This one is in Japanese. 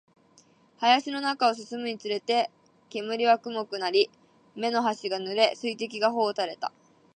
林の中を進むにつれて、煙は濃くなり、目の端が濡れ、水滴が頬を流れた